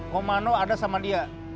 komano ada sama dia